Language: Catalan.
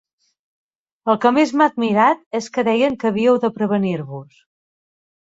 El que més m'ha admirat és que deien que havíeu de prevenir-vos